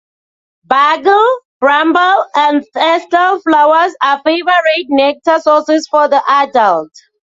Bugle, bramble and thistle flowers are favourite nectar sources for the adult.